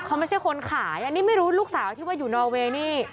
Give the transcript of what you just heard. เขาไม่ใช่คนขายอันนี้ไม่รู้ลูกสาวที่ว่าอยู่นอเวย์นี่